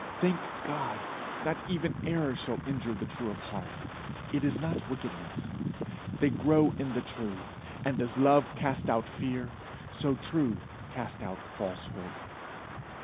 Thank God, not even error shall injure the true of heart; it is not wickedness. They grow in the truth, and as love casts out fear, so truth casts out falsehood.